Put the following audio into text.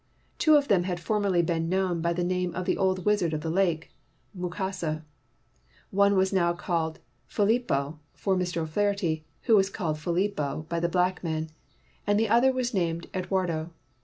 Two of them had formerly been known by the name of the old wizard of the lake, Mu kasa. One was now called Philipo for Mr. O 'Flaherty, who was called Philipo by the black men; and the other was named Ed wardo.